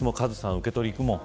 受け取り行くもん。